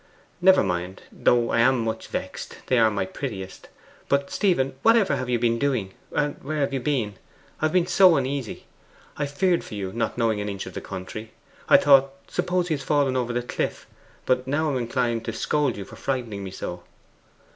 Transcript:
'Never mind. Though I am much vexed; they are my prettiest. But, Stephen, what ever have you been doing where have you been? I have been so uneasy. I feared for you, knowing not an inch of the country. I thought, suppose he has fallen over the cliff! But now I am inclined to scold you for frightening me so.